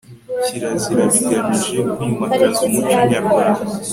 Kirazira bigamije kwimakaza umuco nyarwanda